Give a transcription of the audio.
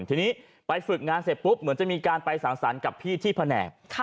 ทีนี้ไปฝึกงานเสร็จปุ๊บเหมือนจะมีการไปสั่งสรรค์กับพี่ที่แผนก